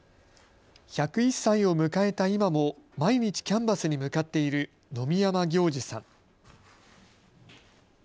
１０１歳を迎えた今も毎日キャンバスに向かっている野見山暁治さん。